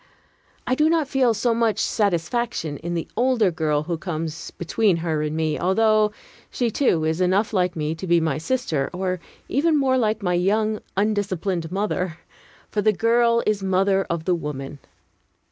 I do not feel so much satisfaction in the older girl who comes between her and me, although she, too, is enough like me to be my sister, or even more like my young, undisciplined mother; for the girl is mother of the woman.